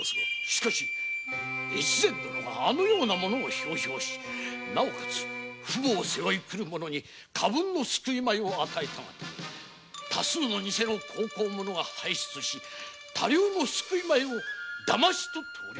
しかし大岡殿があのような者を表彰しなお父母を背負い来る者に過分の救い米を与えたがため多数の偽の孝行者が輩出し多量の救い米をだまし取っていますぞ。